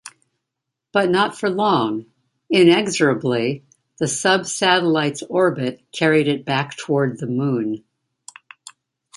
But not for long: inexorably, the subsatellite's orbit carried it back toward the Moon.